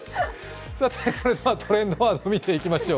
トレンドワード見ていきましょう。